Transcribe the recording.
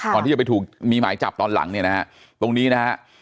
ก่อนที่จะไปถูกมีหมายจับตอนหลังเนี่ยนะฮะตรงนี้นะฮะ